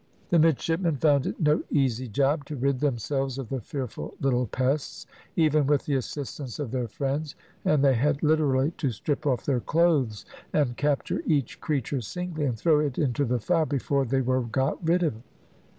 The midshipmen found it no easy job to rid themselves of the fearful little pests, even with the assistance of their friends, and they had literally to strip off their clothes, and capture each creature singly, and throw it into the fire, before they were got rid of.